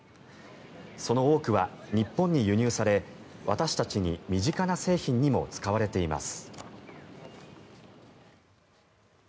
その多くは日本に輸入され私たちに身近な製品にも使われています。